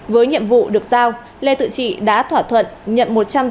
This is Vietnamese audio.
với nhiệm vụ được giao lê tự trị đã thỏa thuận nhận một trăm tám mươi sáu